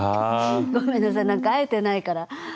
ごめんなさい会えてないから。